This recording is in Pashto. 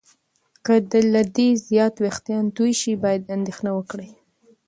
که له دې زیات وېښتان تویې شي، باید اندېښنه وکړې.